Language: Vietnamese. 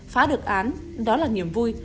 phá được án đó là niềm vui